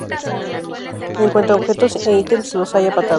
En cuanto a objetos e items, los hay a patadas.